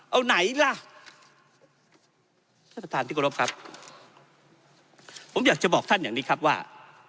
เอาไหนล่ะท่านประธานที่กรบครับผมอยากจะบอกท่านอย่างนี้ครับว่า